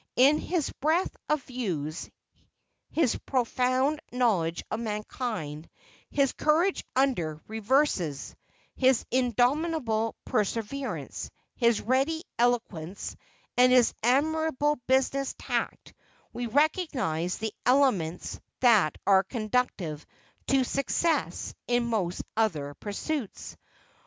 In his breadth of views, his profound knowledge of mankind, his courage under reverses, his indomitable perseverance, his ready eloquence and his admirable business tact, we recognize the elements that are conducive to success in most other pursuits.